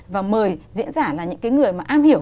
và mời diễn giả là những cái người mà am hiểu